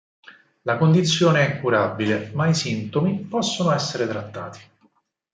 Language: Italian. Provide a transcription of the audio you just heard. La condizione è incurabile, ma i sintomi possono essere trattati.